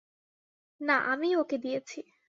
না, আমিই ওকে দিয়েছি।